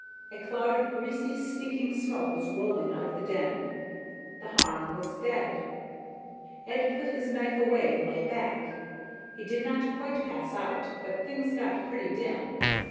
A cloud of greasy, stinking smoke was rolling out of the den. The Harn was dead. Ed put his knife away and lay back. He did not quite pass out, but things got pretty dim.